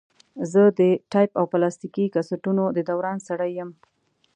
زه د ټیپ او پلاستیکي کسټونو د دوران سړی یم.